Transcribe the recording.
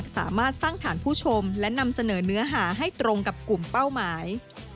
สามารถสร้างฐานผู้ชมและนำเสนอเนื้อหาให้ตรงกับกลุ่มเป้าหมาย